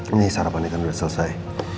ini sarapan itu udah selesai